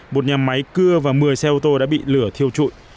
một nhà máy cưa và một mươi xe ô tô đã bị lửa thiêu trụi